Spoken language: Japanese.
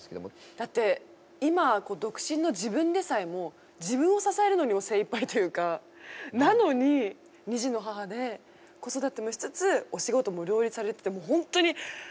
だって今独身の自分でさえも自分を支えるのにも精いっぱいというかなのに２児の母で子育てもしつつお仕事も両立されてて本当に考えられない。